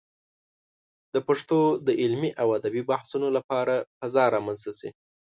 د پښتو د علمي او ادبي بحثونو لپاره فضا رامنځته شي.